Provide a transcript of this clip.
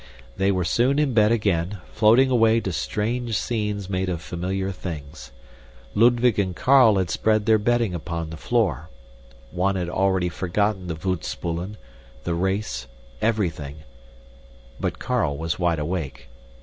They were soon in bed again, floating away to strange scenes made of familiar things. Ludwig and Carl had spread their bedding upon the floor. One had already forgotten the voetspoelen, the race everything; but Carl was wide awake.